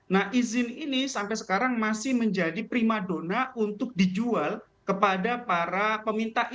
nah izin ini sampai sekarang masih menjadi prima dona untuk dijual kepada para peminta izin